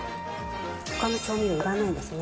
他の調味料いらないですね